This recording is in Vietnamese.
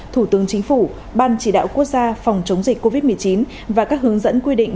thủ tướng chính phủ ban chỉ đạo quốc gia phòng chống dịch covid một mươi chín và các hướng dẫn quy định